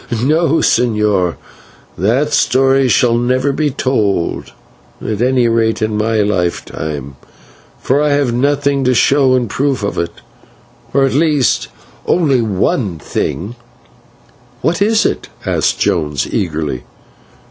No, señor, that story shall never be told, at any rate in my lifetime, for I have nothing to show in proof of it, or at least only one thing " "What is it?" asked Jones, eagerly.